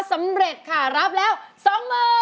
สำเร็จค่ะรับแล้ว๒๐๐๐